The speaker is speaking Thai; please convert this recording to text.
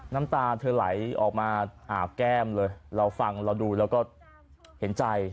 น้ำตาเธอไหลออกมาอาบแก้มเลยเราฟังเราดูแล้วก็เห็นใจ